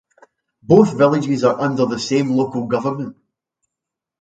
Both villages are under the same local government.